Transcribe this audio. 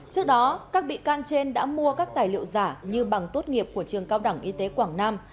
trước đó các bị can trên đã mua các tài liệu giả như bằng tốt nghiệp của trường cao đẳng y tế quảng nam